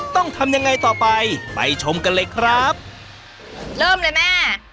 ต้องทำยังไงต่อไปไปชมกันเลยครับเริ่มเลยแม่